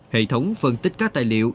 hệ thống phân tích các tài liệu